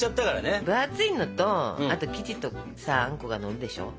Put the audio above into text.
分厚いのとあと生地とかさあんこがのるでしょ？